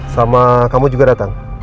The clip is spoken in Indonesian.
sama kamu juga tentang